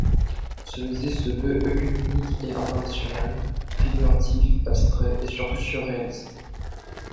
Ce musée se veut œcuménique et international, figuratif, abstrait et surtout surréaliste.